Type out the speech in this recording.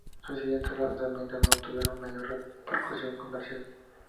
Sus siguientes lanzamientos no tuvieron mayor repercusión comercial.